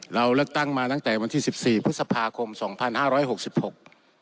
เราเลือกตั้งมาตั้งแต่วันที่สิบสี่พฤษภาคมสองพันห้าร้อยหกสิบหก